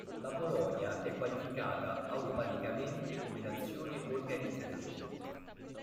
La Polonia è qualificata automaticamente come nazione organizzatrice.